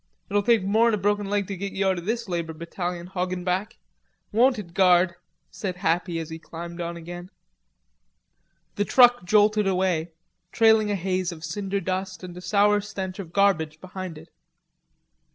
"It'll take mor'n a broken leg to git you out o' this labor battalion, Hoggenback. Won't it, guard?" said Happy, as he climbed on again. The truck jolted away, trailing a haze of cinder dust and a sour stench of garbage behind it.